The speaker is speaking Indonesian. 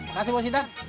makasih bos idan